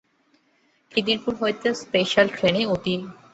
খিদিরপুর হইতে স্পেশ্যাল ট্রেনে অতি প্রত্যূষে শিয়ালদহ স্টেশনে পৌঁছিলেন।